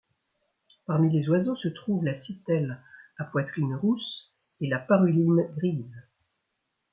Parmi les oiseaux se trouvent la Sittelle à poitrine rousse et la Paruline grise.